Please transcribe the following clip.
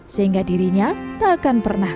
kondisi punya tingkat banget